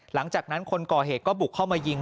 หลังจากนั้นคนก่อเหตุก็บุกเข้ามายิง